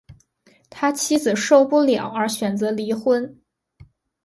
他妻子受不了而选择离婚